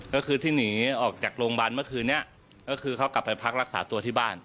ก็คือที่หนีออกจากโรงพยาบาลเมื่อคืนนี้ก็คือเขากลับไปพักรักษาตัวที่บ้าน